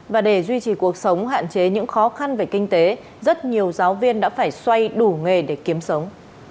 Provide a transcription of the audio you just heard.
và để duy trì cuộc sống hạn chế những khó khăn về kinh tế rất nhiều giáo viên đã phải xoay đủ nghề để kiếm sống